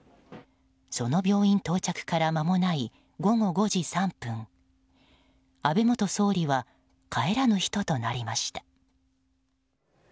その病院到着から間もない午後５時３分安倍元総理は帰らぬ人となりました。